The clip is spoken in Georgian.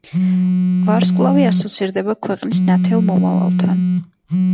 ვარსკვლავი ასოცირდება ქვეყნის ნათელ მომავალთან.